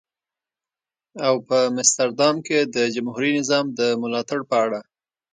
او په مستر دام کې د جمهوري نظام د ملاتړ په اړه.